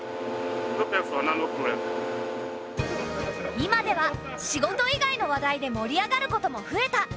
今では仕事以外の話題で盛り上がることも増えた。